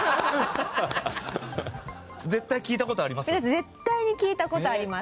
絶対聞いた事あります？